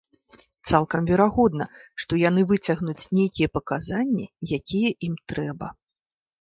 Цалкам верагодна, што яны выцягнуць нейкія паказанні, якія ім трэба.